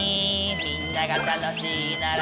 「みんなが楽しいなら」